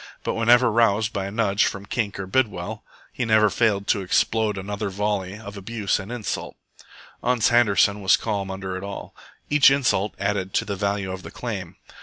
But whenever roused by a nudge from Kink or Bidwell, he never failed to explode another volley of abuse and insult. Ans Handerson was calm under it all. Each insult added to the value of the claim.